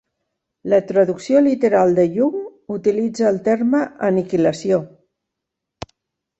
La traducció literal de Young utilitza el terme "aniquilació".